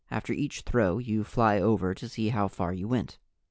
After each throw, you fly over to see how far you went.